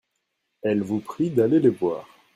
Elles vous prient d'aller les voir.